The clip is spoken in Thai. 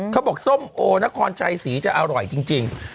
เขาบอกส้มโอคอลชัยสีจะอร่อยจริง